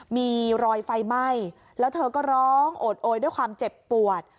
มีรอยไฟไหม้แล้วเธอก็ร้องโอดโอยด้วยความเจ็บปวด